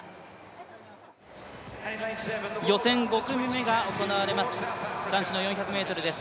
予選５組目が行われます、男子の４００ｍです。